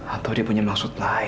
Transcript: atau dia punya maksud lain